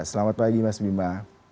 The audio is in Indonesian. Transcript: selamat pagi mas bima